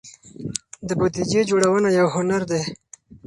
د بودیجې جوړونه یو هنر دی.